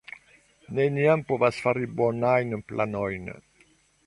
Neniam povas fari bonajn planojn